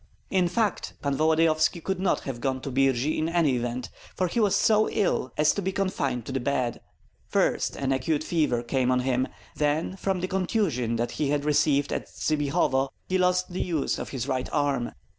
In fact, Pan Volodyovski could not have gone to Birji in any event, for he was so ill as to be confined to the bed. First an acute fever came on him; then from the contusion which he had received at Tsybihovo he lost the use of his right arm.